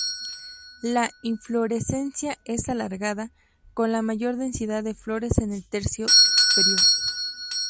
La inflorescencia es alargada, con la mayor densidad de flores en el tercio superior.